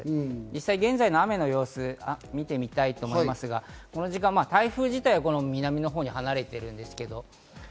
実際、現在の雨の様子を見てみたいと思いますが、この時間、台風自体は南のほうに離れているんですけど。